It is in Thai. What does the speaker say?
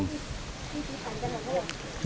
น้ำตาดซึม